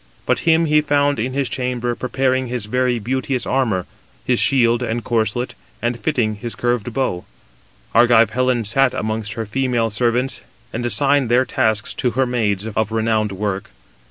But him he found in his chamber preparing his very beauteous armour, his shield and corslet, and fitting his curved bow. Argive Helen sat amongst her female servants, and assigned their tasks to her maids of renowned work.